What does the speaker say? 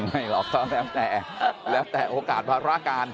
ไม่หรอกก็แล้วแต่แล้วแต่โอกาสภาระการ